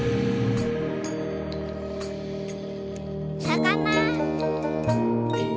さかな。